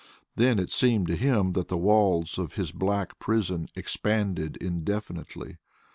Then it seemed to him that the walls of his black prison expanded indefinitely.